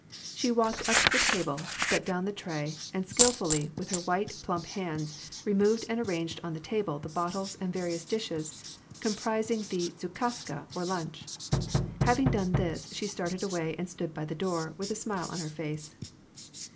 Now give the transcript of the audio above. She walked up to the table, set down the tray, and skilfully, with her white, plump hands, removed and arranged on the table the bottles and various dishes com prising the zakuska or lunch. Having done this, she started away and stood by the door, with a smile on her face.